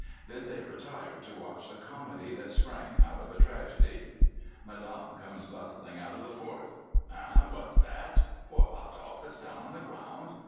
Then they retired to watch the comedy that sprang out of a tragedy. Madame comes bustling out of the fort. Eh! what's that? Poor Adolfe is down on the ground!